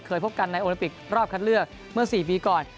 พบกันในโอลิมปิกรอบคัดเลือกเมื่อ๔ปีก่อน